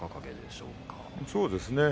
そうですね。